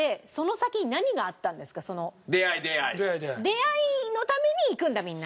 出会いのために行くんだみんな。